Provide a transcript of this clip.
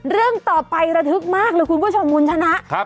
เรื่องต่อไประทึกมากเลยคุณผู้ชมคุณชนะ